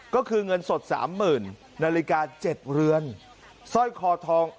ก็คือเงินสดสามหมื่นนาฬิกาเจ็ดเรือนสร้อยคอทอง